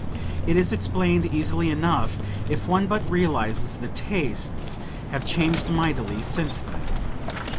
It is explained easily enough if one but realizes that tastes have changed mightily since then.